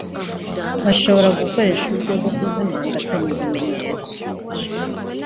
bashobora gukora uburyo bwo kuzimangatanya ibimenyetso